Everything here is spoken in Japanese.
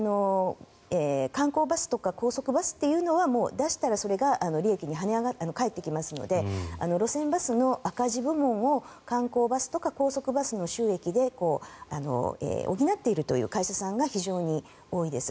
観光バスとか高速バスというのは出したらそれが利益に跳ね返ってきますので路線バスの赤字部門を観光バスとか高速バスの収益で補っているという会社さんが非常に多いです。